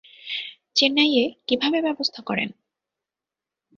চেন্নাইয়ে কীভাবে ব্যবস্থা করেন?